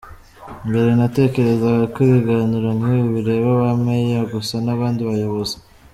Mbere natekerezaga ko ibiganiro nk'ibi bireba ba Mayor gusa n'abandi bayobozi.